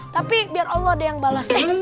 tapi biar allah ada yang balas